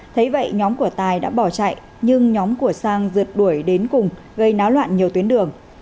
thấy vậy nhóm của tài đã bỏ chạy nhưng nhóm của sang rượt đuổi đến cùng gây náo loạn nhiều tuyến đường